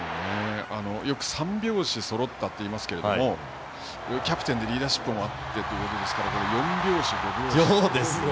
よく三拍子そろったと言いますけどもキャプテンでリーダーシップもあってということなので４拍子、５拍子そろって。